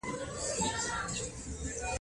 خدای پیدا پر مخ د مځکي انسانان کړل -